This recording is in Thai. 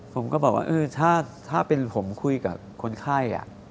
ผมก็บอกว่าเออถ้าเป็นผมคุยกับคนไข้